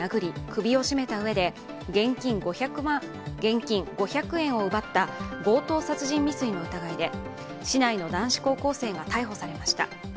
首を絞めたうえで現金５００円を奪った強盗殺人未遂の疑いで市内の男子高校生が逮捕されました。